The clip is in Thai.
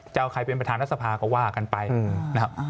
จะเอาใครเป็นประธานรัฐสภาก็ว่ากันไปนะครับ